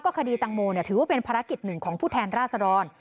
คดีตังโมถือว่าเป็นภารกิจหนึ่งของผู้แทนราษดร